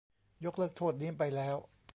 ยกเลิกโทษนี้ไปแล้ว